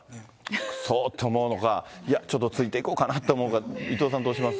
くそーって思うのか、ちょっとついていこうかなと思うのか、伊藤さん、どうします？